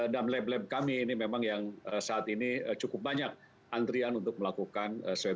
dan lab lab kami ini memang yang saat ini cukup banyak antrian untuk melakukan swab